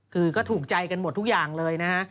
คือก็ถูกใจกันหมดทุกอย่างเลยนะฮะ